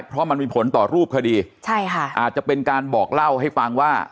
เพราะมันมีผลต่อรูปคดีใช่ค่ะอาจจะเป็นการบอกเล่าให้ฟังว่า